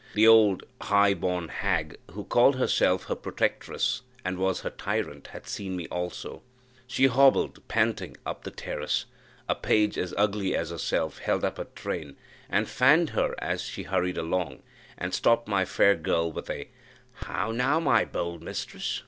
The old high born hag, who called herself her protectress, and was her tyrant, had seen me also; she hobbled, panting, up the terrace; a page, as ugly as herself, held up her train, and fanned her as she hurried along, and stopped my fair girl with a "How, now, my bold mistress?